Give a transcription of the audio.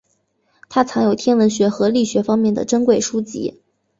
他藏有天文学和力学方面的珍贵书籍。